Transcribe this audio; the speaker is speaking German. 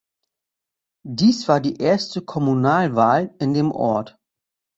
Dies war die erste Kommunalwahl in dem Ort.